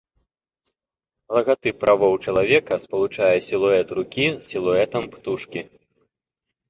Лагатып правоў чалавека спалучае сілуэт рукі з сілуэтам птушкі.